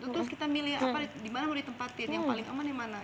terus kita milih dimana boleh ditempatin yang paling aman dimana